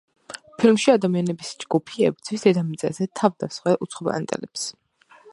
ფილმში ადამიანების ჯგუფი ებრძვის დედამიწაზე თავდამსხმელ უცხოპლანეტელებს.